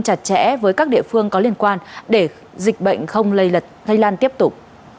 chặt chẽ với các địa phương có liên quan để dịch bệnh không lây lật lây lan tiếp tục